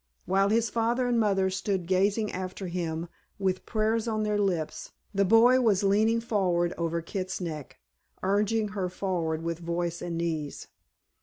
While his father and mother stood gazing after him with prayers on their lips the boy was leaning forward over Kit's neck, urging her forward with voice and knees.